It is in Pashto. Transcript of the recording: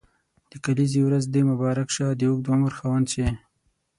د کلیزي ورځ دي مبارک شه د اوږد عمر خاوند سي.